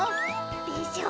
でしょ？